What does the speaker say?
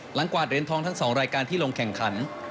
หลังกว่าเดรนทองทั้งสองรายการที่ลงแข่งขัน